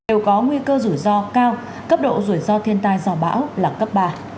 đều có nguy cơ rủi ro cao cấp độ rủi ro thiên tai do bão là cấp ba